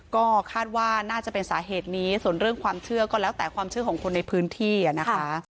ก็คาดว่าน่าจะเป็นสาเหตุนี้ส่วนเรื่องความเชื่อก็แล้วแต่ความเชื่อของคนในพื้นที่นะคะ